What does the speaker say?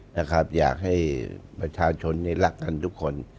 ที่ประชาชนในลักขณะทุกคน